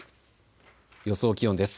予想気温です。